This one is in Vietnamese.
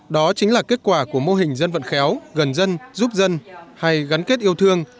đó chính là kết quả của mô hình dân vận khéo gần dân giúp dân hay gắn kết yêu thương